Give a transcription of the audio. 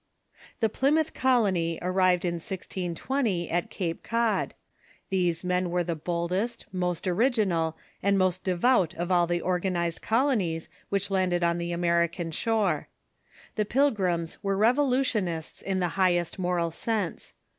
The Plymouth Colony arrived in 1020, at Cape Cod. These men were the boldest, most original, and most devout of all the organized colonies which landed on the American %*^oiony'' slioi'e The Pilgrims were revolutionists in the high est moral sense.